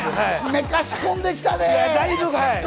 めかし込んできたね。